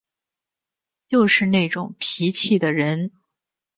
就是那种脾气的人